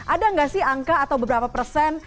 ada nggak sih angka atau beberapa persen